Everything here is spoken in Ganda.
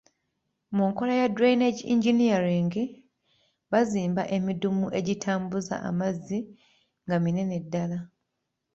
Mu nkola ya drainage engineering, bazimba emidumu egitambuza amazzi nga minene ddala.